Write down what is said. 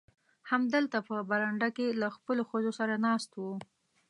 همدلته په برنډه کې له خپلو ښځو سره ناست و.